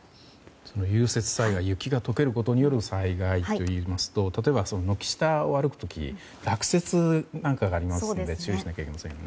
融雪災害雪が解けることによる災害といいますと例えば、軒下を歩く時落雪がありますので注意しなければいけませんね。